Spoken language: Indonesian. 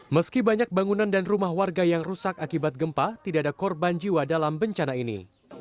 meski banyak bangunan dan rumah warga yang rusak akibat gempa tidak ada korban jiwa dalam bencana ini